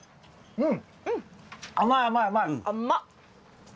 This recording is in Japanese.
うん。